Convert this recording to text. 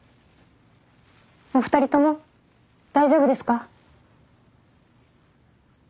お二人とも大丈夫ですか？